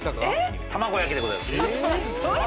卵焼きでございます。